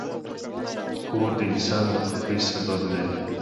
کور د انسان د خوښۍ سبب دی.